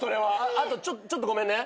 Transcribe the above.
あとちょっとごめんね？